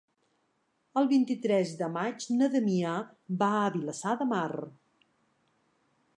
El vint-i-tres de maig na Damià va a Vilassar de Mar.